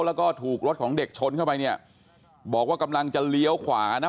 แล้วก็ถูกรถของเด็กชนเข้าไปเนี่ยบอกว่ากำลังจะเลี้ยวขวานะ